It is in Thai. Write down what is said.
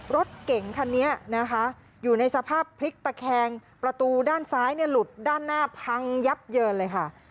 รถเก่งคันนี้นะคะอยู่ในสภาพพลิกตะแคงประตูด้านซ้ายเนี่ยหลุดด้านหน้าพังยับเยินเลยค่ะ